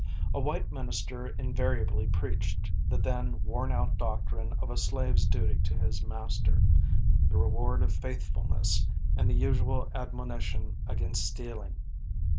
A white minister invariably preached the then worn out doctrine of a slave's duty to his master, the reward of faithfulness and the usual admonition against stealing.